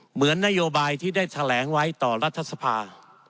เหมือนนโยบายที่ได้แถลงไว้ต่อรัฐสภา